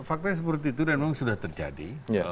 faktanya seperti itu dan memang sudah terjadi